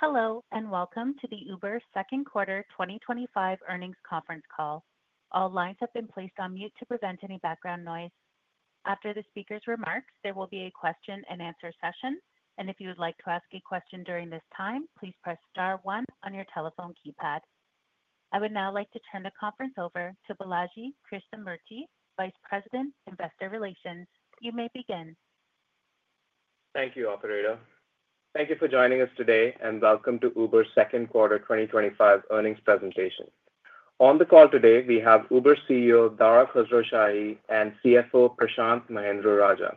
Hello and welcome to the Uber second quarter 2025 earnings conference call. All lines have been placed on mute to prevent any background noise. After the speaker's remarks, there will be a question and answer session, and if you would like to ask a question during this time, please press star one on your telephone keypad. I would now like to turn the conference over to Balaji Krishnamurthy, Vice President, Investor Relations. You may begin. Thank you, operator. Thank you for joining us today and welcome to Uber's second quarter 2025 earnings presentation. On the call today, we have Uber's CEO, Dara Khosrowshahi, and CFO, Prashanth Mahendra-Rajah.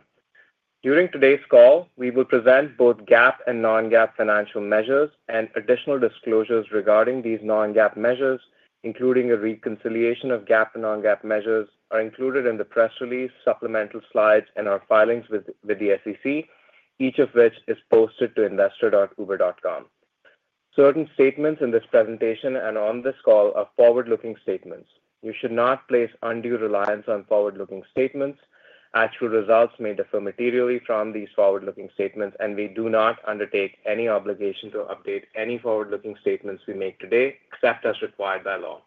During today's call, we will present both GAAP and non-GAAP financial measures, and additional disclosures regarding these non-GAAP measures, including a reconciliation of GAAP and non-GAAP measures, are included in the press release, supplemental slides, and our filings with the SEC, each of which is posted to investor.uber.com. Certain statements in this presentation and on this call are forward-looking statements. You should not place undue reliance on forward-looking statements, as true results may differ materially from these forward-looking statements, and we do not undertake any obligation to update any forward-looking statements we make today, except as required by law.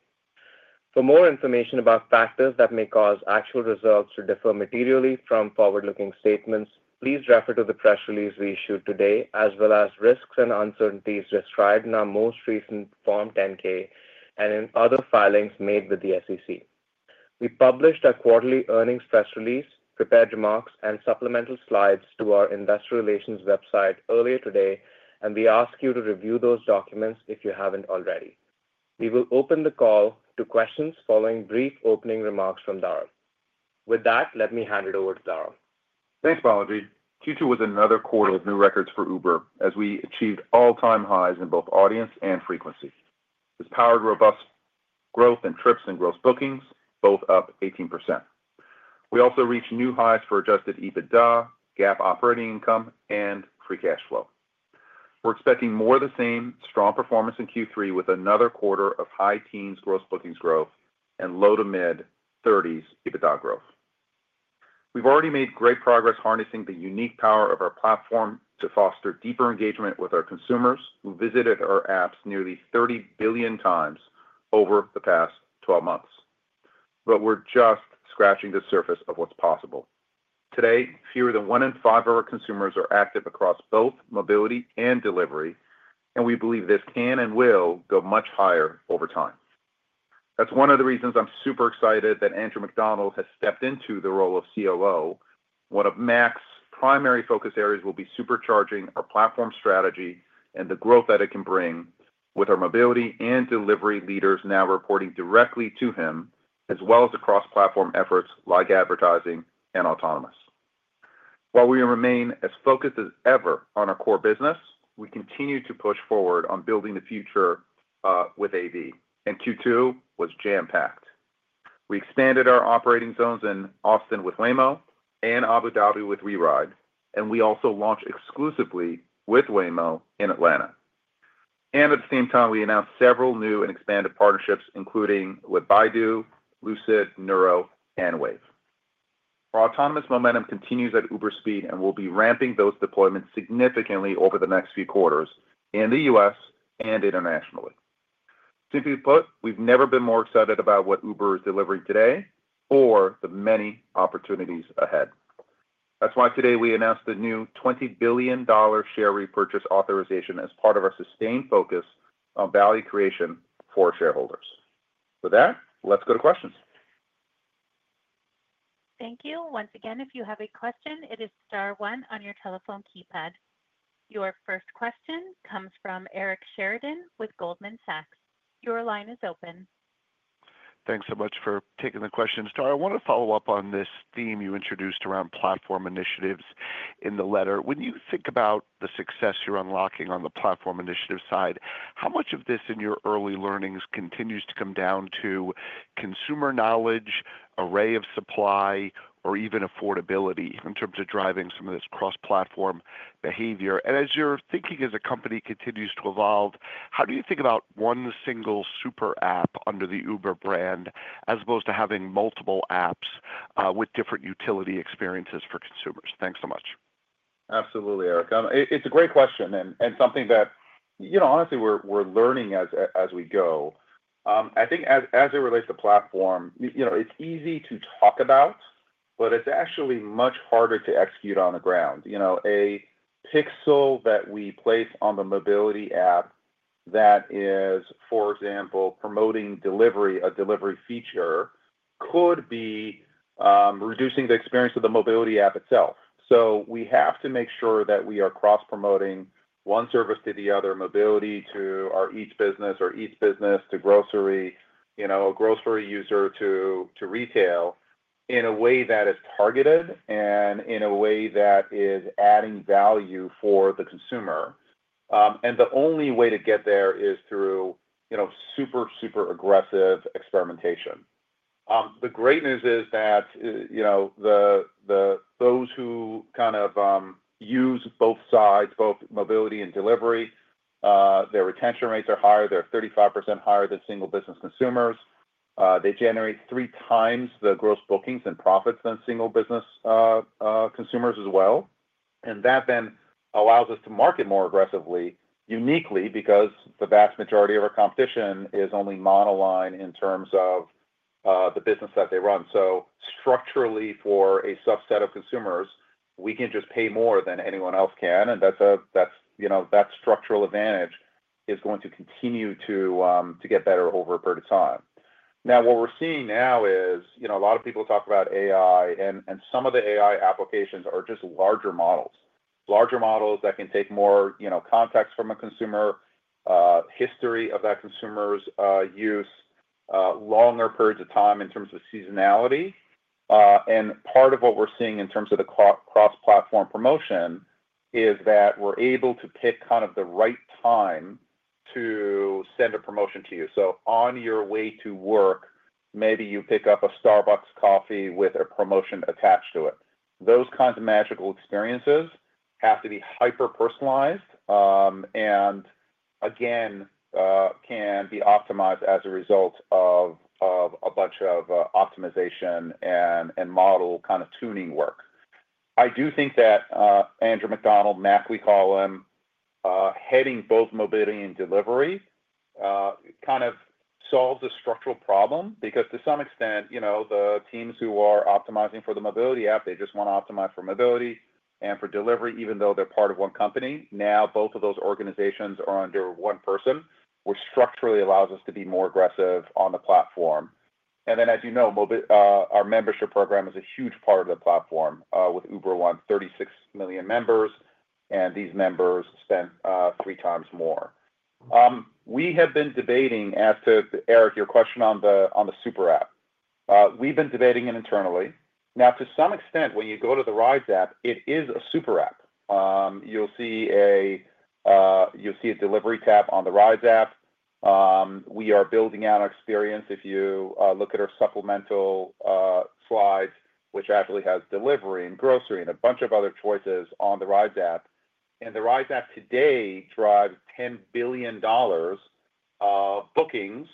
For more information about factors that may cause actual results to differ materially from forward-looking statements, please refer to the press release we issued today, as well as risks and uncertainties described in our most recent Form 10-K and in other filings made with the SEC. We published our quarterly earnings press release, prepared remarks, and supplemental slides to our Investor Relations website earlier today, and we ask you to review those documents if you haven't already. We will open the call to questions following brief opening remarks from Dara. With that, let me hand it over to Dara. Thanks, Balaji. Q2 was another quarter with new records for Uber, as we achieved all-time highs in both audience and frequency. This powered robust growth in trips and gross bookings, both up 18%. We also reached new highs for adjusted EBITDA, GAAP operating income, and free cash flow. We're expecting more of the same strong performance in Q3, with another quarter of high teens gross bookings growth and low to mid 30% EBITDA growth. We've already made great progress harnessing the unique power of our platform to foster deeper engagement with our consumers who visited our apps nearly 30x billion times the past 12 months. We're just scratching the surface of what's possible. Today, fewer than one in five of our consumers are active across both mobility and delivery, and we believe this can and will go much higher over time. That's one of the reasons I'm super excited that Andrew Macdonald has stepped into the role of COO. One of Mac's primary focus areas will be supercharging our platform strategy and the growth that it can bring, with our mobility and delivery leaders now reporting directly to him, as well as across platform efforts like advertising and autonomous. While we remain as focused as ever on our core business, we continue to push forward on building the future with AV, and Q2 was jam-packed. We expanded our operating zones in Austin with Waymo and Abu Dhabi with WeRide, and we also launched exclusively with Waymo in Atlanta. At the same time, we announced several new and expanded partnerships, including with Baidu, Lucid, Nuro, and Wave. Our autonomous momentum continues at Uber speed and will be ramping those deployments significantly over the next few quarters in the U.S. and internationally. Simply put, we've never been more excited about what Uber is delivering today or the many opportunities ahead. That's why today we announced the new $20 billion share repurchase authorization as part of our sustained focus on value creation for shareholders. With that, let's go to questions. Thank you. Once again, if you have a question, it is star one on your telephone keypad. Your first question comes from Eric Sheridan with Goldman Sachs. Your line is open. Thanks so much for taking the questions, Dara. I want to follow up on this theme you introduced around platform initiatives in the letter. When you think about the success you're unlocking on the platform initiative side, how much of this in your early learnings continues to come down to consumer knowledge, array of supply, or even affordability in terms of driving some of this cross-platform behavior? As you're thinking as a company continues to evolve, how do you think about one single super app under the Uber brand as opposed to having multiple apps with different utility experiences for consumers? Thanks so much. Absolutely, Eric. It's a great question and something that, honestly, we're learning as we go. I think as it relates to platform, it's easy to talk about, but it's actually much harder to execute on the ground. A pixel that we place on the mobility app that is, for example, promoting delivery, a delivery feature, could be reducing the experience of the mobility app itself. We have to make sure that we are cross-promoting one service to the other, mobility to our eats business, our eats business to grocery, a grocery user to retail in a way that is targeted and in a way that is adding value for the consumer. The only way to get there is through super, super aggressive experimentation. The great news is that those who kind of use both sides, both mobility and delivery, their retention rates are higher. They're 35% higher than single-business consumers. They generate three times the gross bookings and profits than single-business consumers as well. That then allows us to market more aggressively, uniquely because the vast majority of our competition is only monoline in terms of the business that they run. Structurally, for a subset of consumers, we can just pay more than anyone else can. That structural advantage is going to continue to get better over a period of time. Now, what we're seeing now is a lot of people talk about AI, and some of the AI applications are just larger models, larger models that can take more context from a consumer, history of that consumer's use, longer periods of time in terms of seasonality. Part of what we're seeing in terms of the cross-platform promotion is that we're able to pick kind of the right time to send a promotion to you. On your way to work, maybe you pick up a Starbucks coffee with a promotion attached to it. Those kinds of magical experiences have to be hyper-personalized, and again, can be optimized as a result of a bunch of optimization and model kind of tuning work. I do think that Andrew Macdonald, Mac we call him, heading both mobility and delivery kind of solves a structural problem because to some extent, the teams who are optimizing for the mobility app, they just want to optimize for mobility and for delivery, even though they're part of one company. Now both of those organizations are under one person, which structurally allows us to be more aggressive on the platform. Our membership program is a huge part of the platform with Uber, 36 million members, and these members spend three times more. We have been debating, as to Eric, your question on the super app. We've been debating it internally. To some extent, when you go to the rides app, it is a super app. You'll see a delivery tab on the rides app. We are building out our experience. If you look at our supplemental slides, which actually has delivery and grocery and a bunch of other choices on the rides app, and the rides app today drives $10 billion of bookings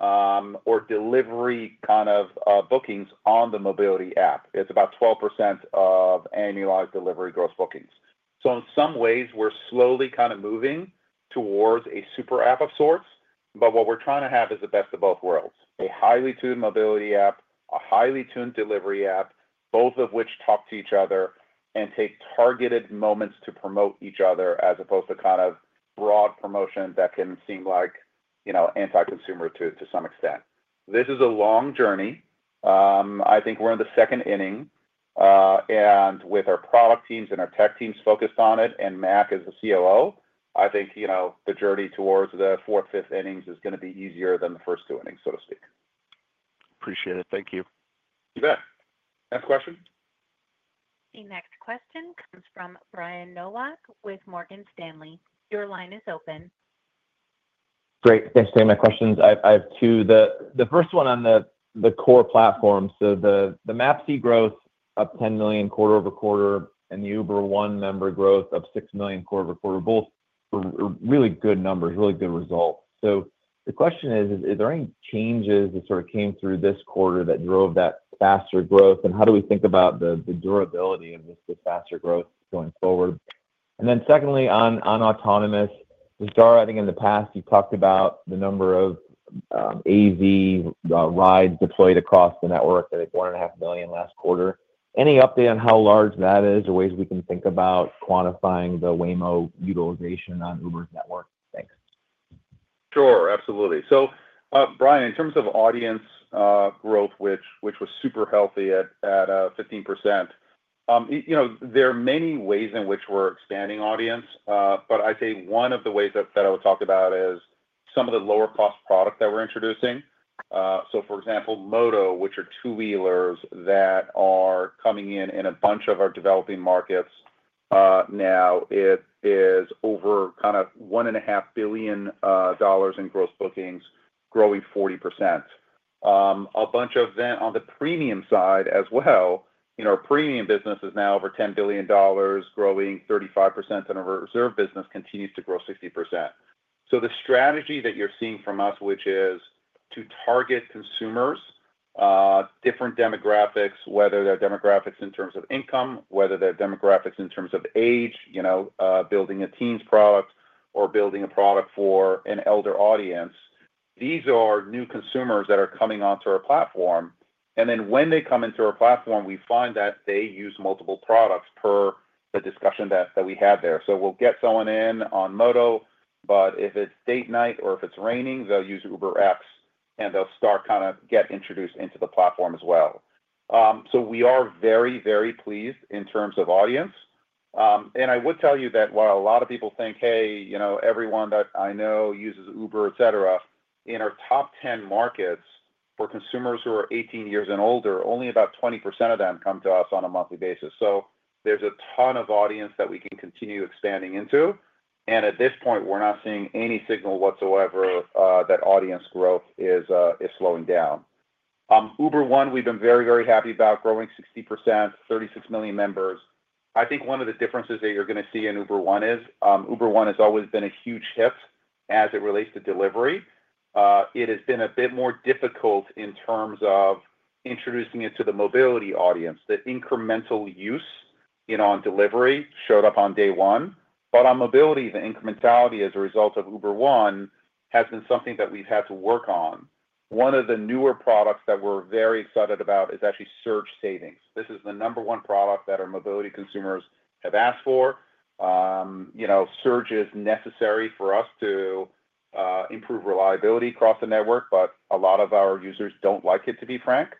or delivery kind of bookings on the mobility app. It's about 12% of annualized delivery gross bookings. In some ways, we're slowly kind of moving towards a super app of sorts. What we're trying to have is the best of both worlds: a highly tuned mobility app, a highly tuned delivery app, both of which talk to each other and take targeted moments to promote each other as opposed to kind of broad promotion that can seem like, you know, anti-consumer to some extent. This is a long journey. I think we're in the second inning, and with our product teams and our tech teams focused on it, and Mac as the COO, I think, you know, the journey towards the fourth, fifth innings is going to be easier than the first two innings, so to speak. Appreciate it. Thank you. You bet. Next question. The next question comes from Brian Nowak with Morgan Stanley. Your line is open. Great. Thanks for taking my questions. I have two. The first one on the core platform. The Mapsy growth of 10 million quarter-over-quarter and the Uber One member growth of 6 million quarter-over-quarter, both really good numbers, really good results. Is there any changes that sort of came through this quarter that drove that faster growth? How do we think about the durability of this faster growth going forward? Secondly, on autonomous, we started writing in the past. You talked about the number of AV rides deployed across the network, I think 1.5 million last quarter. Any update on how large that is or ways we can think about quantifying the Waymo utilization on Uber's network? Thanks. Sure, absolutely. Brian, in terms of audience growth, which was super healthy at 15%, there are many ways in which we're expanding audience. I'd say one of the ways that I would talk about is some of the lower-cost products that we're introducing. For example, Modo, which are two-wheelers that are coming in in a bunch of our developing markets now, is over $1.5 billion in gross bookings, growing 40%. A bunch of them on the premium side as well. Our premium business is now over $10 billion, growing 35%, and our reserve business continues to grow 60%. The strategy that you're seeing from us is to target consumers, different demographics, whether they're demographics in terms of income, whether they're demographics in terms of age, building a teens product or building a product for an elder audience. These are new consumers that are coming onto our platform. When they come into our platform, we find that they use multiple products per the discussion that we had there. We'll get someone in on Modo, but if it's date night or if it's raining, they'll use UberX and they'll start getting introduced into the platform as well. We are very, very pleased in terms of audience. I would tell you that while a lot of people think, hey, everyone that I know uses Uber, etc., in our top 10 markets for consumers who are 18 years and older, only about 20% of them come to us on a monthly basis. There's a ton of audience that we can continue expanding into. At this point, we're not seeing any signal whatsoever that audience growth is slowing down. Uber One, we've been very, very happy about growing 60%, 36 million members. I think one of the differences that you're going to see in Uber One is Uber One has always been a huge hit as it relates to delivery. It has been a bit more difficult in terms of introducing it to the mobility audience. The incremental use in on delivery showed up on day one. On mobility, the incrementality as a result of Uber One has been something that we've had to work on. One of the newer products that we're very excited about is actually surge savings. This is the number one product that our mobility consumers have asked for. Surge is necessary for us to improve reliability across the network, but a lot of our users don't like it, to be frank.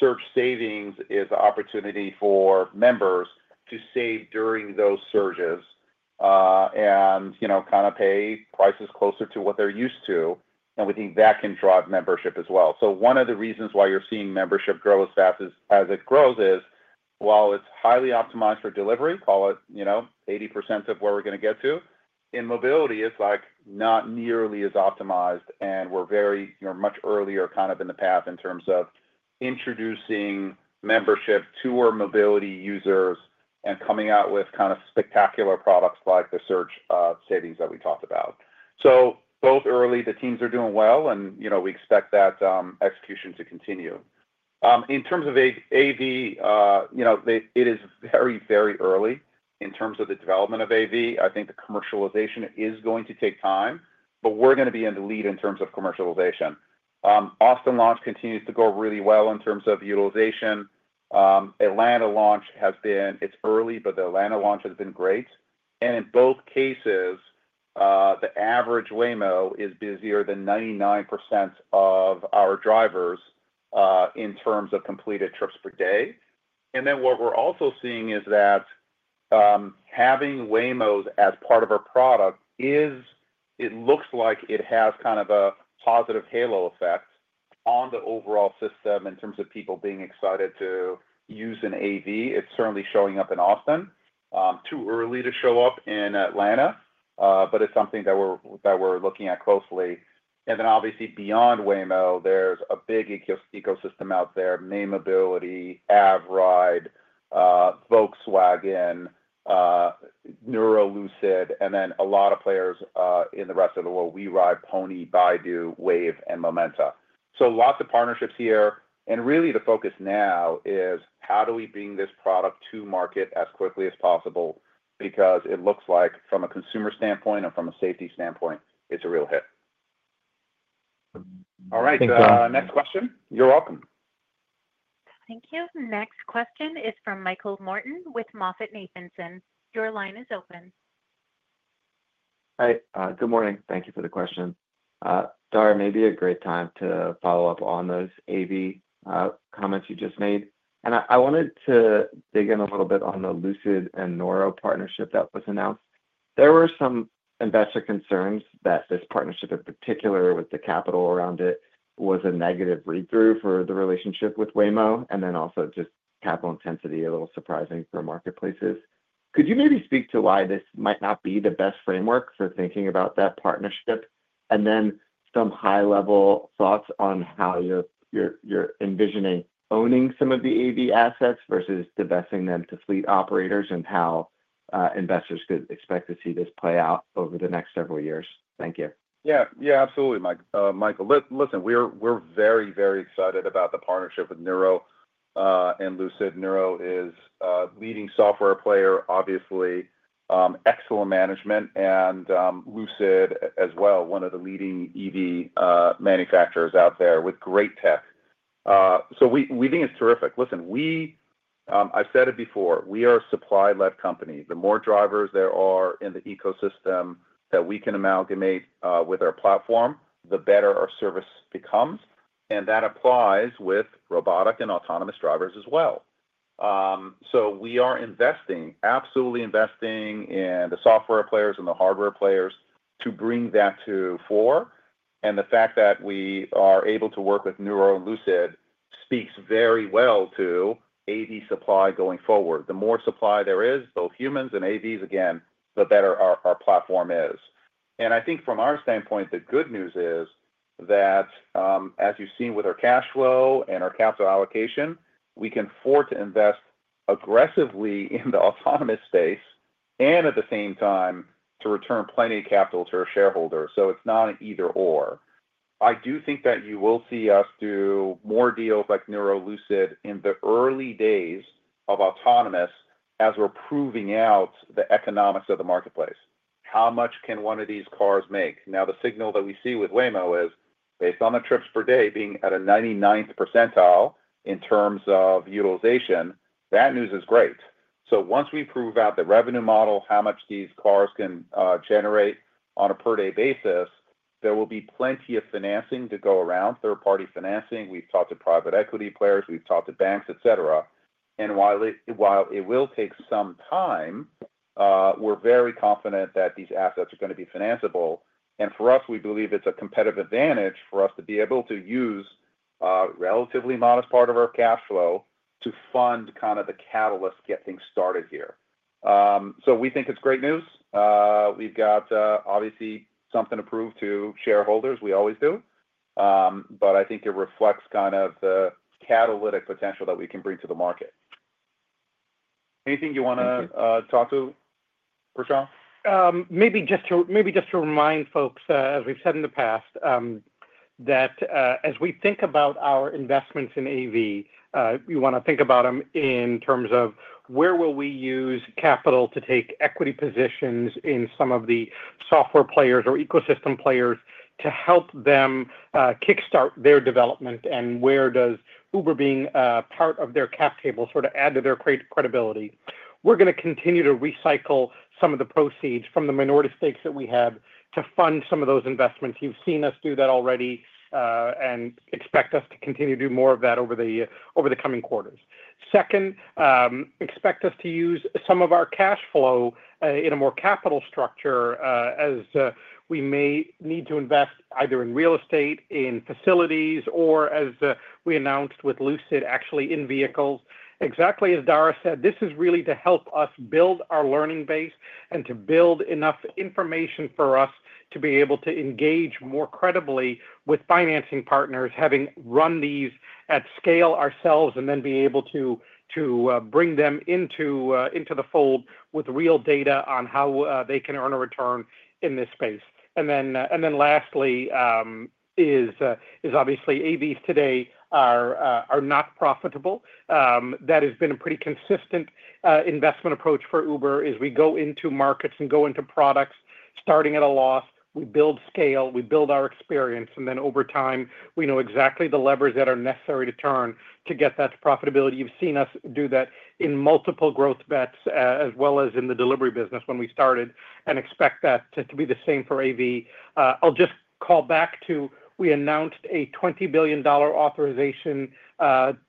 Surge savings is an opportunity for members to save during those surges and, you know, kind of pay prices closer to what they're used to. We think that can drive membership as well. One of the reasons why you're seeing membership grow as fast as it grows is while it's highly optimized for delivery, call it, you know, 80% of where we're going to get to. In mobility, it's like not nearly as optimized, and we're very, you know, much earlier kind of in the path in terms of introducing membership to our mobility users and coming out with kind of spectacular products like the surge savings that we talked about. Both early, the teams are doing well, and you know, we expect that execution to continue. In terms of AV, it is very, very early in terms of the development of AV. I think the commercialization is going to take time, but we're going to be in the lead in terms of commercialization. Austin launch continues to go really well in terms of utilization. Atlanta launch has been, it's early, but the Atlanta launch has been great. In both cases, the average Waymo is busier than 99% of our drivers in terms of completed trips per day. What we're also seeing is that having Waymos as part of our product is, it looks like it has kind of a positive halo effect on the overall system in terms of people being excited to use an AV. It's certainly showing up in Austin. Too early to show up in Atlanta, but it's something that we're looking at closely. Obviously beyond Waymo, there's a big ecosystem out there, Avride, Volkswagen, Nuro, Lucid, and then a lot of players in the rest of the world: WeRide, Pony AI, Baidu, Wave, and Momenta. Lots of partnerships here. Really the focus now is how do we bring this product to market as quickly as possible because it looks like from a consumer standpoint and from a safety standpoint, it's a real hit. Thanks, Dara. All right. Next question. You're welcome. Thank you. Next question is from Michael Morton with MoffettNathanson. Your line is open. Hi. Good morning. Thank you for the question. Dara, maybe a great time to follow up on those AV comments you just made. I wanted to dig in a little bit on the Lucid and Nuro partnership that was announced. There were some investor concerns that this partnership, in particular with the capital around it, was a negative read-through for the relationship with Waymo, and also just capital intensity, a little surprising for marketplaces. Could you maybe speak to why this might not be the best framework for thinking about that partnership? Some high-level thoughts on how you're envisioning owning some of the AV assets versus divesting them to fleet operators and how investors could expect to see this play out over the next several years. Thank you. Yeah, yeah, absolutely, Michael. Listen, we're very, very excited about the partnership with Nuro and Lucid. Nuro is a leading software player, obviously excellent management, and Lucid as well, one of the leading EV manufacturers out there with great tech. We think it's terrific. Listen, I've said it before, we are a supply-led company. The more drivers there are in the ecosystem that we can amalgamate with our platform, the better our service becomes. That applies with robotic and autonomous drivers as well. We are investing, absolutely investing in the software players and the hardware players to bring that to fore. The fact that we are able to work with Nuro and Lucid speaks very well to AV supply going forward. The more supply there is, both humans and AVs, again, the better our platform is. I think from our standpoint, the good news is that as you've seen with our cash flow and our capital allocation, we can afford to invest aggressively in the autonomous space and at the same time to return plenty of capital to our shareholders. It's not an either-or. I do think that you will see us do more deals like Nuro-Lucid in the early days of autonomous as we're proving out the economics of the marketplace. How much can one of these cars make? The signal that we see with Waymo is based on the trips per day being at a 99th percentile in terms of utilization, that news is great. Once we prove out the revenue model, how much these cars can generate on a per-day basis, there will be plenty of financing to go around, third-party financing. We've talked to private equity players, we've talked to banks, etc. While it will take some time, we're very confident that these assets are going to be financiable. For us, we believe it's a competitive advantage for us to be able to use a relatively modest part of our cash flow to fund kind of the catalyst to get things started here. We think it's great news. We've got obviously something to prove to shareholders, we always do. I think it reflects kind of the catalytic potential that we can bring to the market. Thank you. Anything you want to talk to, Prashanth? Maybe just to remind folks, as we've said in the past, that as we think about our investments in AV, we want to think about them in terms of where will we use capital to take equity positions in some of the software players or ecosystem players to help them kickstart their development and where does Uber being part of their cap table sort of add to their credibility. We're going to continue to recycle some of the proceeds from the minority stakes that we have to fund some of those investments. You've seen us do that already and expect us to continue to do more of that over the coming quarters. Second, expect us to use some of our cash flow in a more capital structure as we may need to invest either in real estate, in facilities, or as we announced with Lucid, actually in vehicles. Exactly as Dara said, this is really to help us build our learning base and to build enough information for us to be able to engage more credibly with financing partners, having run these at scale ourselves and then be able to bring them into the fold with real data on how they can earn a return in this space. Lastly, obviously AVs today are not profitable. That has been a pretty consistent investment approach for Uber as we go into markets and go into products, starting at a loss. We build scale, we build our experience, and then over time, we know exactly the levers that are necessary to turn to get that to profitability. You've seen us do that in multiple growth bets as well as in the delivery business when we started and expect that to be the same for AV. I'll just call back to we announced a $20 billion authorization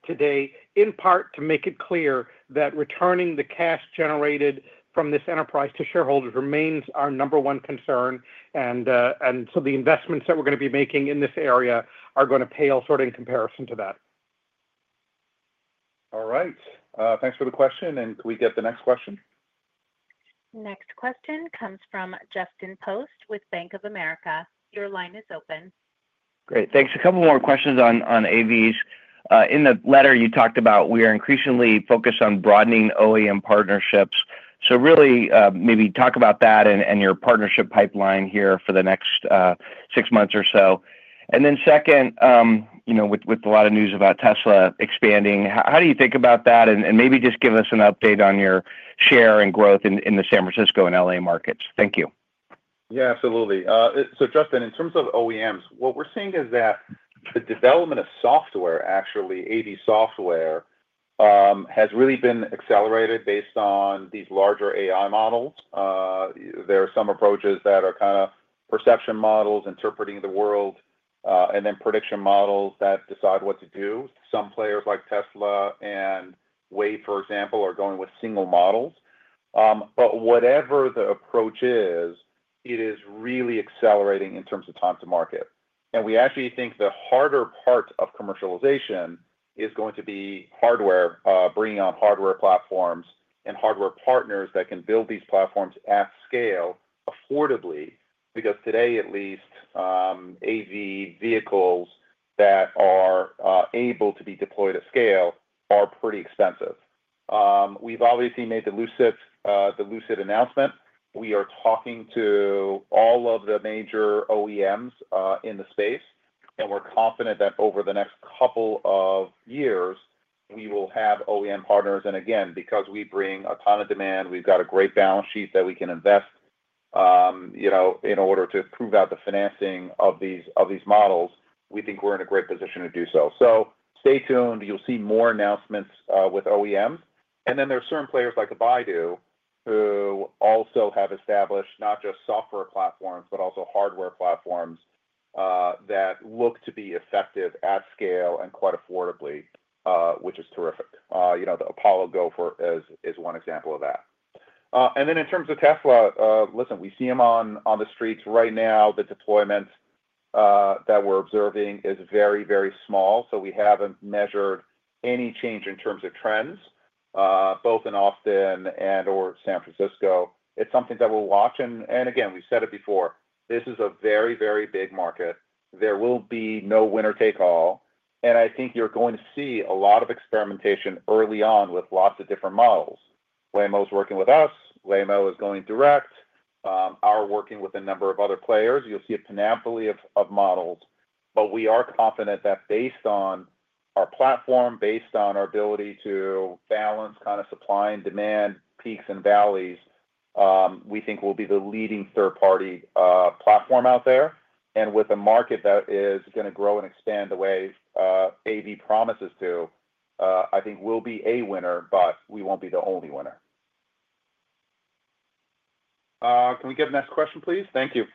today in part to make it clear that returning the cash generated from this enterprise to shareholders remains our number one concern. The investments that we're going to be making in this area are going to pale sort of in comparison to that. All right. Thanks for the question. Can we get the next question? Next question comes from Justin Post with Bank of America. Your line is open. Great. Thanks. A couple more questions on AVs. In the letter, you talked about we are increasingly focused on broadening OEM partnerships. Maybe talk about that and your partnership pipeline here for the next six months or so. With a lot of news about Tesla expanding, how do you think about that? Maybe just give us an update on your share and growth in the San Francisco and LA markets. Thank you. Yeah, absolutely. Justin, in terms of OEMs, what we're seeing is that the development of software, actually AV software, has really been accelerated based on these larger AI models. There are some approaches that are kind of perception models, interpreting the world, and then prediction models that decide what to do. Some players like Tesla and Waabi, for example, are going with single models. Whatever the approach is, it is really accelerating in terms of time to market. We actually think the harder part of commercialization is going to be hardware, bringing on hardware platforms and hardware partners that can build these platforms at scale affordably because today, at least, AV vehicles that are able to be deployed at scale are pretty expensive. We've obviously made the Lucid announcement. We are talking to all of the major OEMs in the space, and we're confident that over the next couple of years, we will have OEM partners. Again, because we bring a ton of demand, we've got a great balance sheet that we can invest in order to prove out the financing of these models. We think we're in a great position to do so. Stay tuned. You'll see more announcements with OEMs. There are certain players like Baidu who also have established not just software platforms, but also hardware platforms that look to be effective at scale and quite affordably, which is terrific. The Apollo Go is one example of that. In terms of Tesla, listen, we see them on the streets right now. The deployment that we're observing is very, very small. We haven't measured any change in terms of trends, both in Austin and/or San Francisco. It's something that we'll watch. We've said it before, this is a very, very big market. There will be no winner take all. I think you're going to see a lot of experimentation early on with lots of different models. Waymo is working with us. Waymo is going direct. We're working with a number of other players. You'll see a panoply of models. We are confident that based on our platform, based on our ability to balance kind of supply and demand peaks and valleys, we think we'll be the leading third-party platform out there. With a market that is going to grow and expand the way AV promises to, I think we'll be a winner, but we won't be the only winner. Can we get the next question, please? Thank you.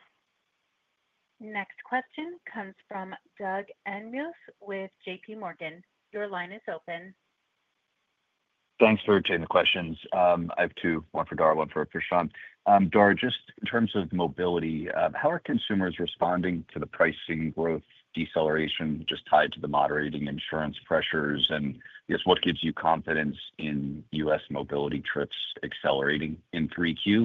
Next question comes from Doug Anmuth with JPMorgan. Your line is open. Thanks for taking the questions. I have two, one for Dara, one for Prashanth. Dara, just in terms of mobility, how are consumers responding to the pricing growth deceleration just tied to the moderating insurance pressures? What gives you confidence in U.S. mobility trips accelerating in Q3?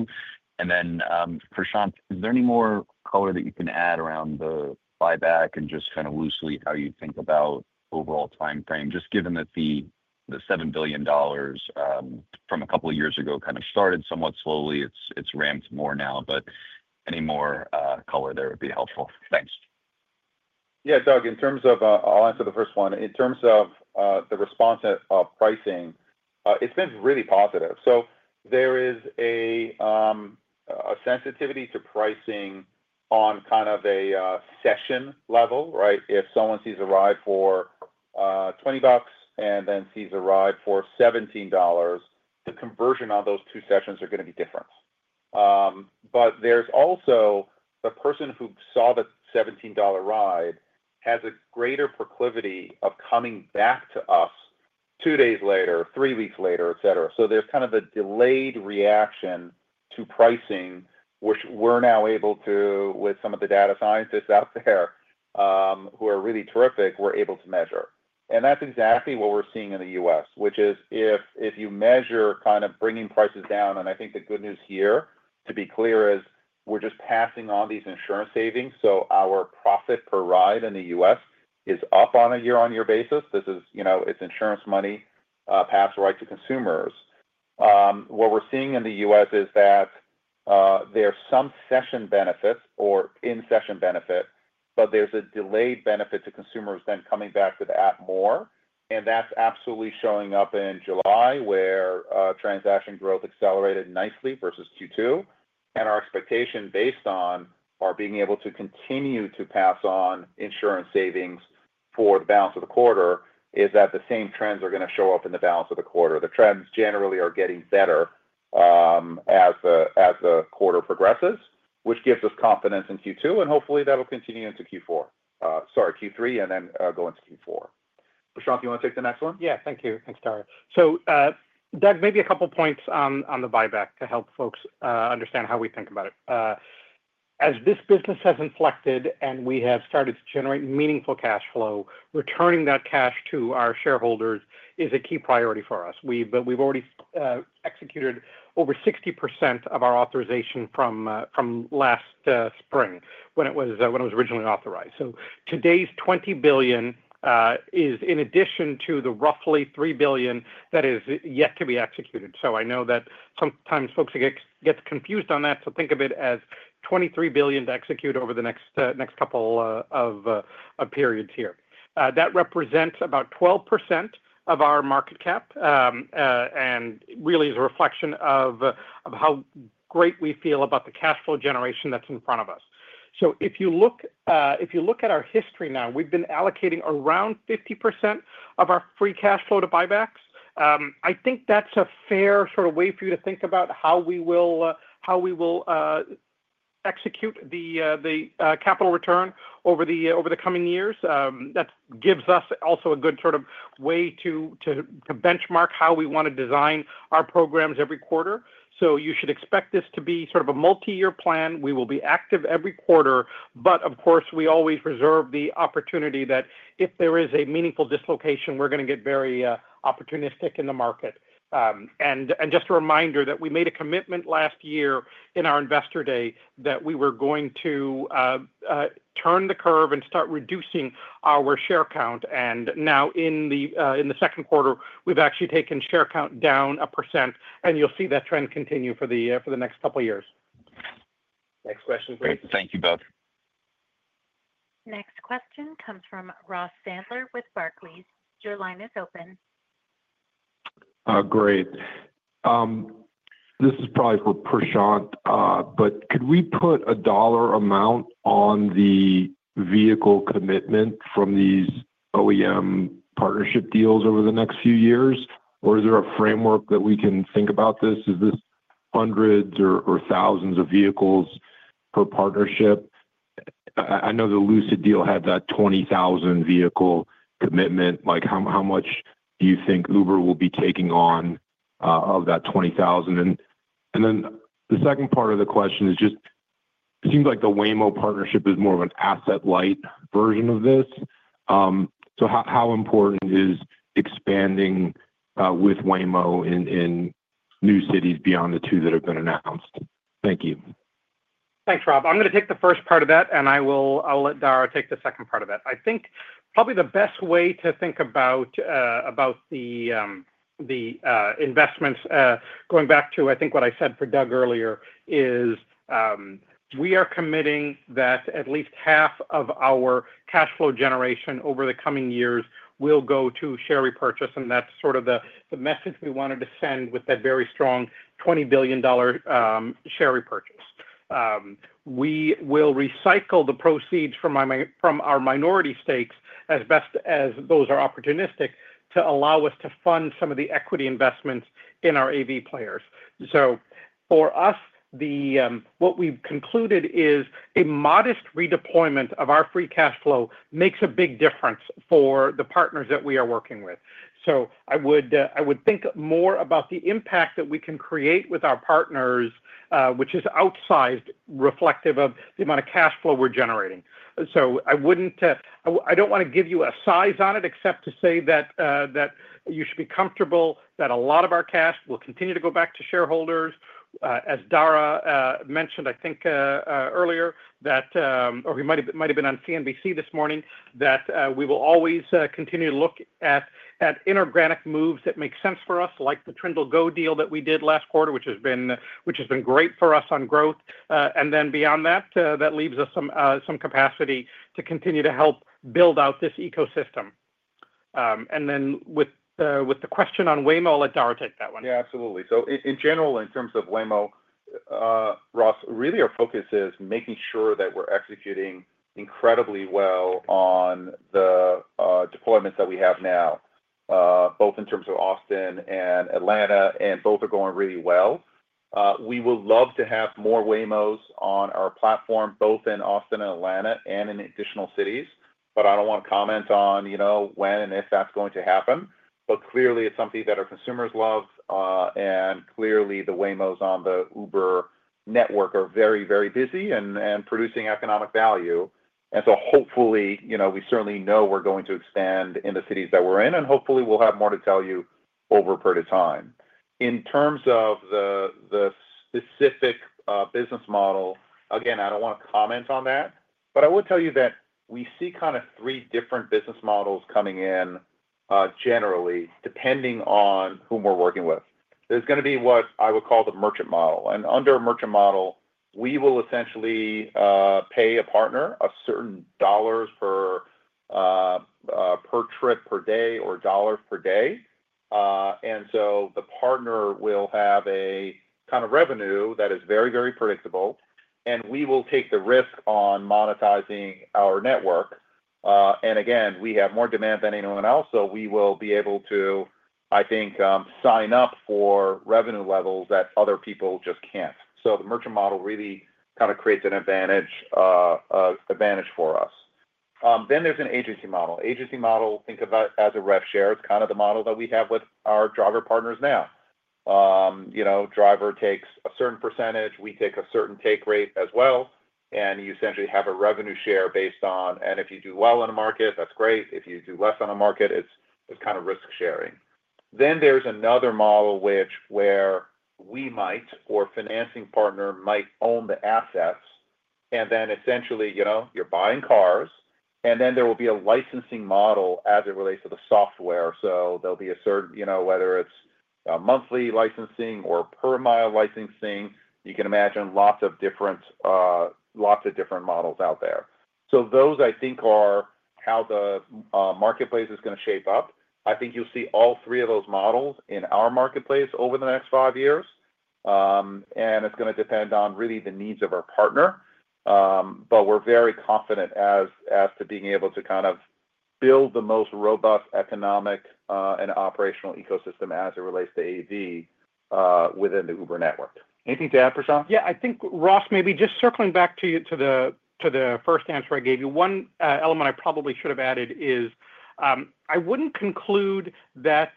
Prashanth, is there any more color that you can add around the buyback and just kind of loosely how you think about overall timeframe, just given that the $7 billion from a couple of years ago kind of started somewhat slowly? It's ramped more now, but any more color there would be helpful. Thanks. Yeah, Doug, in terms of I'll answer the first one. In terms of the response of pricing, it's been really positive. There is a sensitivity to pricing on kind of a session level, right? If someone sees a ride for $20 and then sees a ride for $17, the conversion on those two sessions are going to be different. There's also the person who saw the $17 ride has a greater proclivity of coming back to us two days later, three weeks later, etc. There's kind of a delayed reaction to pricing, which we're now able to, with some of the data scientists out there who are really terrific, we're able to measure. That's exactly what we're seeing in the U.S., which is if you measure kind of bringing prices down. I think the good news here, to be clear, is we're just passing on these insurance savings. Our profit per ride in the U.S. is up on a year-on-year basis. This is, you know, it's insurance money passed right to consumers. What we're seeing in the U.S. is that there's some session benefits or in-session benefit, but there's a delayed benefit to consumers then coming back to the app more. That's absolutely showing up in July, where transaction growth accelerated nicely versus Q2. Our expectation based on being able to continue to pass on insurance savings for the balance of the quarter is that the same trends are going to show up in the balance of the quarter. The trends generally are getting better as the quarter progresses, which gives us confidence in Q2. Hopefully, that'll continue into Q4. Sorry, Q3 and then go into Q4. Prashanth, you want to take the next one? Yeah, thank you. Thanks, Dar. Doug, maybe a couple of points on the buyback to help folks understand how we think about it. As this business has inflected and we have started to generate meaningful cash flow, returning that cash to our shareholders is a key priority for us. We've already executed over 60% of our authorization from last spring when it was originally authorized. Today's $20 billion is in addition to the roughly $3 billion that is yet to be executed. I know that sometimes folks get confused on that. Think of it as $23 billion to execute over the next couple of periods here. That represents about 12% of our market cap and really is a reflection of how great we feel about the cash flow generation that's in front of us. If you look at our history now, we've been allocating around 50% of our free cash flow to buybacks. I think that's a fair sort of way for you to think about how we will execute the capital return over the coming years. That gives us also a good sort of way to benchmark how we want to design our programs every quarter. You should expect this to be sort of a multi-year plan. We will be active every quarter. Of course, we always reserve the opportunity that if there is a meaningful dislocation, we're going to get very opportunistic in the market. Just a reminder that we made a commitment last year in our investor day that we were going to turn the curve and start reducing our share count. Now in the second quarter, we've actually taken share count down a percent. You'll see that trend continue for the next couple of years. Next question, please. Thank you, both. Next question comes from Ross Sandler with Barclays. Your line is open. Great. This is probably for Prashanth, but could we put a dollar amount on the vehicle commitment from these OEM partnership deals over the next few years, or is there a framework that we can think about this? Is this hundreds or thousands of vehicles per partnership? I know the Lucid deal had that 20,000 vehicle commitment. Like how much do you think Uber will be taking on of that 20,000? The second part of the question is just, it seems like the Waymo partnership is more of an asset light version of this. How important is expanding with Waymo in new cities beyond the two that have been announced? Thank you. Thanks, Rob. I'm going to take the first part of that, and I'll let Dara take the second part of that. I think probably the best way to think about the investments, going back to I think what I said for Doug earlier, is we are committing that at least half of our cash flow generation over the coming years will go to share repurchase. That's sort of the message we wanted to send with that very strong $20 billion share repurchase. We will recycle the proceeds from our minority stakes as best as those are opportunistic to allow us to fund some of the equity investments in our AV players. For us, what we've concluded is a modest redeployment of our free cash flow makes a big difference for the partners that we are working with. I would think more about the impact that we can create with our partners, which is outsized, reflective of the amount of cash flow we're generating. I don't want to give you a size on it except to say that you should be comfortable that a lot of our cash will continue to go back to shareholders. As Dara mentioned, I think earlier, or he might have been on CNBC this morning, we will always continue to look at inorganic moves that make sense for us, like the Trendyol Go deal that we did last quarter, which has been great for us on growth. Beyond that, that leaves us some capacity to continue to help build out this ecosystem. With the question on Waymo, I'll let Dara take that one. Yeah, absolutely. In general, in terms of Waymo, Ross, our focus is making sure that we're executing incredibly well on the deployments that we have now, both in Austin and Atlanta, and both are going really well. We would love to have more Waymos on our platform, both in Austin and Atlanta and in additional cities. I don't want to comment on when and if that's going to happen. Clearly, it's something that our consumers love, and clearly the Waymos on the Uber network are very, very busy and producing economic value. Hopefully, we certainly know we're going to expand in the cities that we're in, and hopefully we'll have more to tell you over a period of time. In terms of the specific business model, again, I don't want to comment on that, but I will tell you that we see three different business models coming in generally, depending on whom we're working with. There's going to be what I would call the merchant model. Under a merchant model, we will essentially pay a partner a certain dollar per trip per day or dollar per day. The partner will have a kind of revenue that is very, very predictable, and we will take the risk on monetizing our network. We have more demand than anyone else, so we will be able to sign up for revenue levels that other people just can't. The merchant model really creates an advantage for us. Then there's an agency model. Agency model, think of that as a rev share. It's the model that we have with our driver partners now. Driver takes a certain percentage, we take a certain take rate as well, and you essentially have a revenue share based on, and if you do well in a market, that's great. If you do less in a market, it's kind of risk sharing. Then there's another model, where we might, or a financing partner might own the assets, and then essentially, you're buying cars, and then there will be a licensing model as it relates to the software. There will be a certain, whether it's monthly licensing or per-mile licensing, you can imagine lots of different models out there. Those, I think, are how the marketplace is going to shape up. I think you'll see all three of those models in our marketplace over the next five years, and it's going to depend on the needs of our partner. We're very confident as to being able to build the most robust economic and operational ecosystem as it relates to AV within the Uber network. Anything to add, Prashanth? Yeah, I think Ross, maybe just circling back to the first answer I gave you, one element I probably should have added is I wouldn't conclude that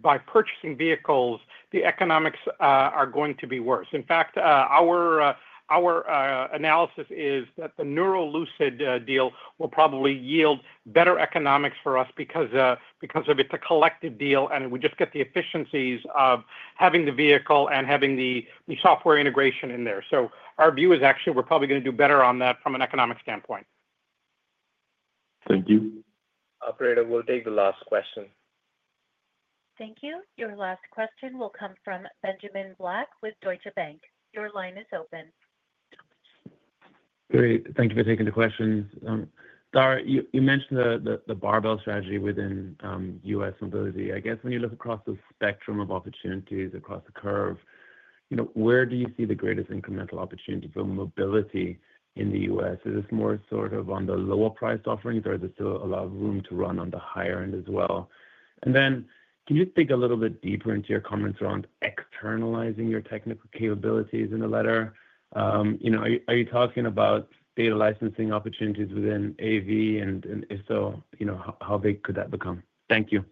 by purchasing vehicles, the economics are going to be worse. In fact, our analysis is that the Nuro-Lucid deal will probably yield better economics for us because it's a collective deal, and we just get the efficiencies of having the vehicle and having the software integration in there. Our view is actually we're probably going to do better on that from an economic standpoint. Thank you. Operator, we'll take the last question. Thank you. Your last question will come from Benjamin Black with Deutsche Bank. Your line is open. Great. Thank you for taking the question. Dara, you mentioned the barbell strategy within U.S. mobility. I guess when you look across the spectrum of opportunities across the curve, where do you see the greatest incremental opportunity for mobility in the U.S.? Is this more sort of on the lower-priced offerings, or is there still a lot of room to run on the higher end as well? Can you dig a little bit deeper into your comments around externalizing your technical capabilities in the letter? Are you talking about data licensing opportunities within AV, and if so, how big could that become? Thank you.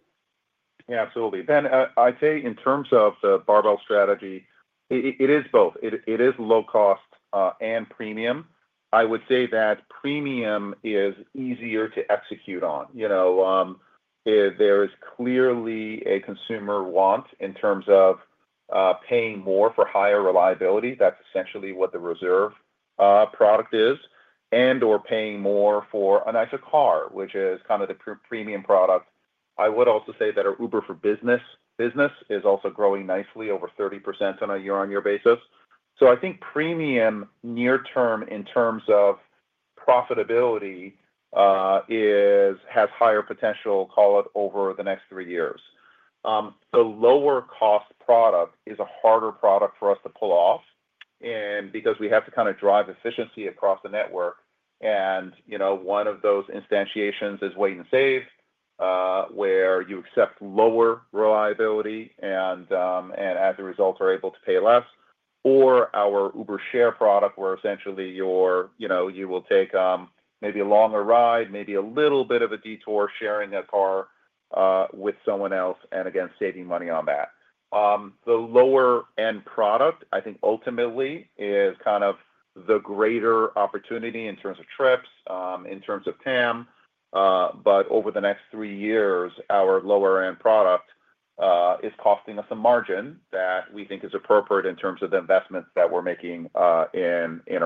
Yeah, absolutely. I'd say in terms of the barbell strategy, it is both. It is low cost and premium. I would say that premium is easier to execute on. There is clearly a consumer want in terms of paying more for higher reliability. That's essentially what the reserve product is, and/or paying more for a nicer car, which is kind of the premium product. I would also say that our Uber for Business is also growing nicely, over 30% on a year-on-year basis. I think premium near term in terms of profitability has higher potential, call it, over the next three years. The lower cost product is a harder product for us to pull off because we have to kind of drive efficiency across the network. One of those instantiations is wait and save, where you accept lower reliability and as a result are able to pay less. Or our Uber Share product, where essentially you will take maybe a longer ride, maybe a little bit of a detour, sharing that car with someone else, and again, saving money on that. The lower-end product, I think ultimately is kind of the greater opportunity in terms of trips, in terms of TAM. Over the next three years, our lower-end product is costing us a margin that we think is appropriate in terms of the investments that we're making in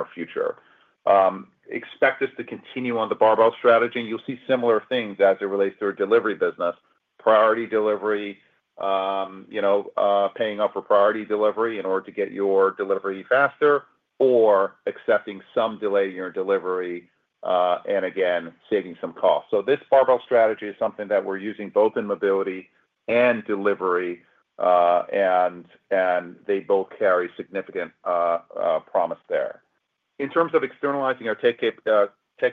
our future. Expect us to continue on the barbell strategy. You'll see similar things as it relates to our delivery business. Priority delivery, paying up for priority delivery in order to get your delivery faster, or accepting some delay in your delivery, and again, saving some cost. This barbell strategy is something that we're using both in mobility and delivery, and they both carry significant promise there. In terms of externalizing our tech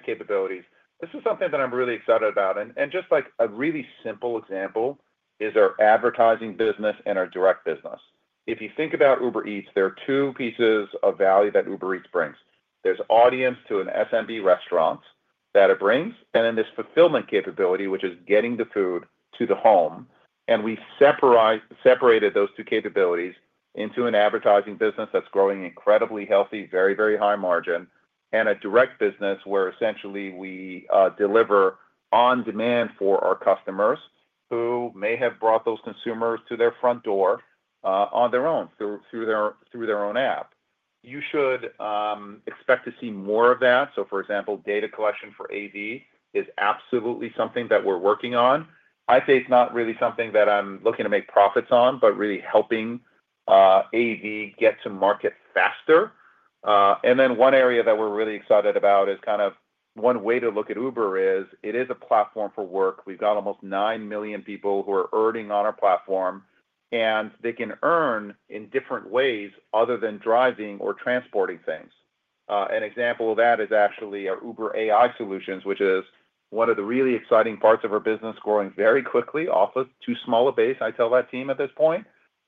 capabilities, this is something that I'm really excited about. Just like a really simple example is our advertising business and our direct business. If you think about Uber Eats, there are two pieces of value that Uber Eats brings. There's audience to an SMB restaurant that it brings, and then there's fulfillment capability, which is getting the food to the home. We separated those two capabilities into an advertising business that's growing incredibly healthy, very, very high margin, and a direct business where essentially we deliver on demand for our customers who may have brought those consumers to their front door on their own, through their own app. You should expect to see more of that. For example, data collection for AV is absolutely something that we're working on. I'd say it's not really something that I'm looking to make profits on, but really helping AV get to market faster. One area that we're really excited about is kind of one way to look at Uber is it is a platform for work. We've got almost 9 million people who are earning on our platform, and they can earn in different ways other than driving or transporting things. An example of that is actually our Uber AI Solutions, which is one of the really exciting parts of our business, growing very quickly off a too small a base, I tell that team at this point.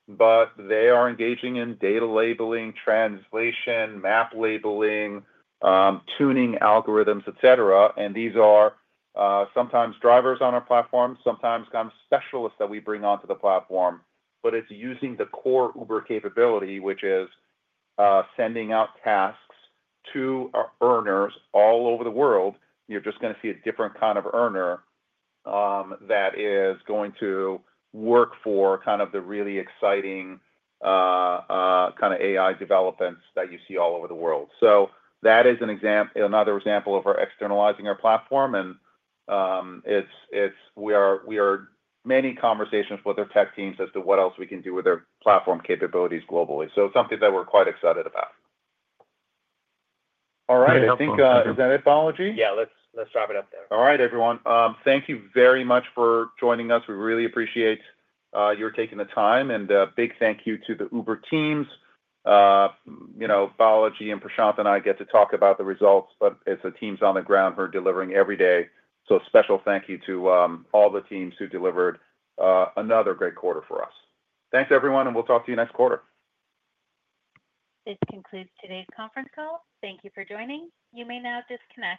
They are engaging in data labeling, translation, map labeling, tuning algorithms, etc. These are sometimes drivers on our platform, sometimes kind of specialists that we bring onto the platform. It's using the core Uber capability, which is sending out tasks to our earners all over the world. You're just going to see a different kind of earner that is going to work for kind of the really exciting kind of AI developments that you see all over the world. That is another example of our externalizing our platform. We are in many conversations with their tech teams as to what else we can do with their platform capabilities globally. It's something that we're quite excited about. Very helpful. Thank you. All right. I think is that it, Balaji? Yeah, let's wrap it up there. All right, everyone. Thank you very much for joining us. We really appreciate your taking the time. A big thank you to the Uber teams. You know, Balaji, Prashanth, and I get to talk about the results, but it's the teams on the ground who are delivering every day. Special thank you to all the teams who delivered another great quarter for us. Thanks, everyone, and we'll talk to you next quarter. This concludes today's conference call. Thank you for joining. You may now disconnect.